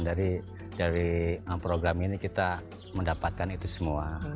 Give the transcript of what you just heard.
dari program ini kita mendapatkan itu semua